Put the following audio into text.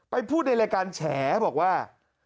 พูดในรายการแฉบอกว่า